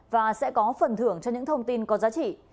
và sẽ có phần thưởng cho những thông tin có giá trị